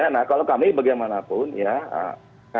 nah kalau kami bagaimanapun ya